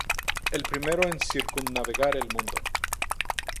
El primero en circunnavegar el mundo.